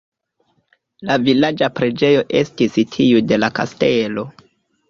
La vilaĝa preĝejo estis tiu de la kastelo.